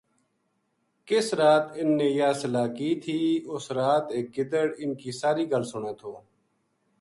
کِس رات اِنھ نے یاہ صلاح کی تھی اُس رات ایک گدڑ اِنھ کی ساری گل سُنے تھو